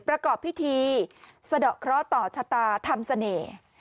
ประกอบพิธีสะดอกเคราะห์ต่อชะตาทำเสน่ห์